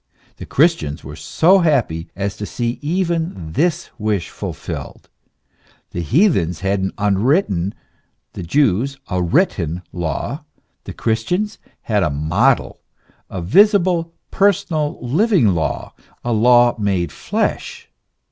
The Christians were so happy as to see even this wish fulfilled The heathens had an unwritten, the Jews a written law; the Christians had a model a visible, personal, living law, a law made flesh.